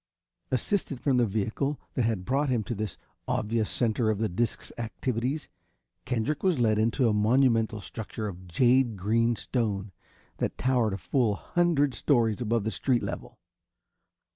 Assisted from the vehicle that had brought him to this obvious center of the disc's activities. Kendrick was led into a monumental structure of jade green stone that towered a full hundred, stories above the street level.